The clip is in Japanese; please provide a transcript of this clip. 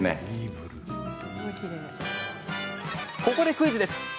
ここでクイズです！